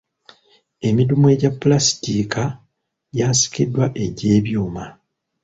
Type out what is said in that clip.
Emidumu egya pulasitika gyasikiziddwa egy'ebyuma.